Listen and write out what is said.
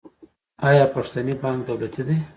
آیا پښتني بانک دولتي دی؟